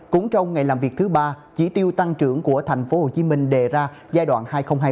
cũng trong ngày làm việc thứ ba chỉ tiêu tăng trưởng của thành phố hồ chí minh đề ra giai đoạn hai nghìn hai mươi hai nghìn hai mươi năm